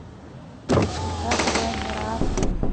چې تاسو باید مراعات کړئ.